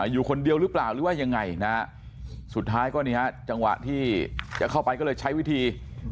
อยู่คนเดียวหรือเปล่าหรือว่ายังไงนะฮะสุดท้ายก็นี่ฮะจังหวะที่จะเข้าไปก็เลยใช้วิธี